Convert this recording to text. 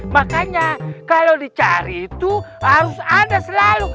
makanya kalo dicari itu harus anda selalu